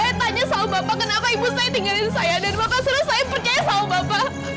saya tanya sama bapak kenapa ibu saya tinggalin saya dan bapak suruh saya percaya sama bapak